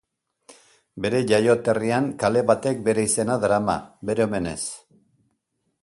Bere jaioterrian kale batek bere izena darama, bere omenez.